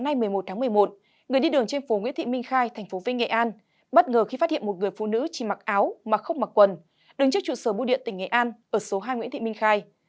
đứng trước trụ sở bưu điện tỉnh nghệ an ở số hai nguyễn thị minh khai